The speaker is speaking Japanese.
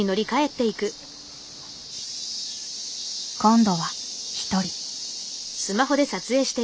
今度は１人。